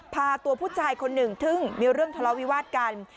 พาตัวผู้ชายคนหนึ่งซึ่งมีเรื่องทะเลาวิวาสกัน